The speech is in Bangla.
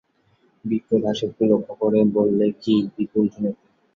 বিপ্রদাস একটু লক্ষ্য করে বললে, কী, বৈকুণ্ঠ নাকি?